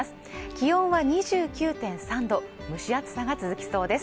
気温は２９．３度、蒸し暑さが続きそうです。